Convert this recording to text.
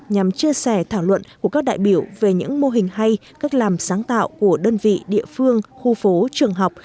nhằm chia sẻ thảo luận của các đại biểu về những mô hình hay cách làm sáng tạo của đơn vị địa phương khu phố trường học